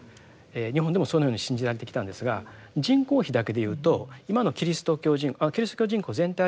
日本でもそのように信じられてきたんですが人口比だけでいうと今のキリスト教人口全体でですね